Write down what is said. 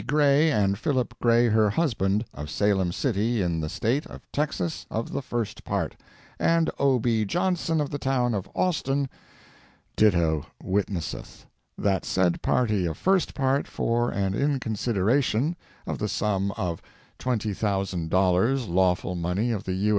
Gray And Philip Gray, her husband, Of Salem City in the State Of Texas, of the first part, And O. B. Johnson, of the town Of Austin, ditto, WITNESSETH: That said party of first part, For and in consideration Of the sum of Twenty Thousand Dollars, lawful money of The U.